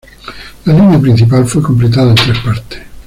La línea principal fue completada en tres partes.